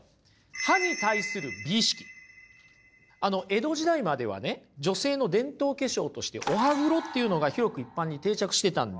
江戸時代まではね女性の伝統化粧としてお歯黒っていうのが広く一般に定着してたんですよ。